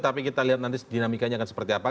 tapi kita lihat nanti dinamikanya akan seperti apa